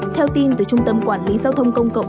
theo tin từ trung tâm quản lý giao thông công cộng